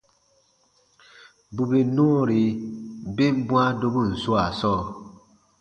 Bù bè nɔɔri ben bwãa dobun swaa sɔɔ,